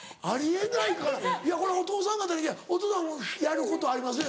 いやこれお父さん方にお父さんやることありますね？